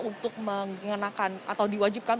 untuk mengenakan atau diwajibkan